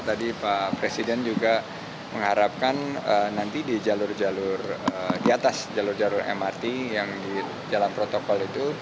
tadi pak presiden juga mengharapkan nanti di atas jalur jalur mrt yang di dalam protokol itu